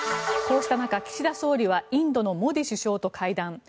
こうした中、岸田総理はインドのモディ首相と会談。